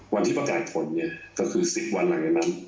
วันที่ประกายผลนี้ก็คือสิบวันกำหนดนั้น